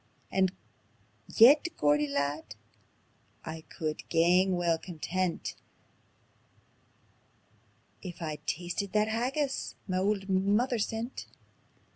And yet, Geordie lad, I could gang weel content If I'd tasted that haggis ma auld mither sent."